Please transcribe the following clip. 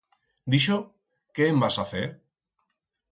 D'ixo, que en vas a fer?